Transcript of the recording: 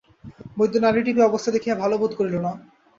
বৈদ্য নাড়ি টিপিয়া অবস্থা দেখিয়া ভালো বোধ করিল না।